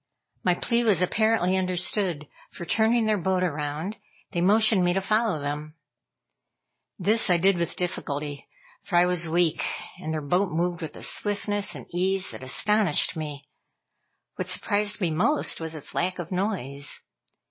My plea was apparently understood, for turning their boat around, they motioned me to follow them. This I did with difficulty, for I was weak, and their boat moved with a swiftness and ease that astonished me. What surprised me most was its lack of noise.